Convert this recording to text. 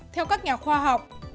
theo các nhà khoa học